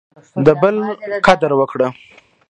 د بل قدر وکړه.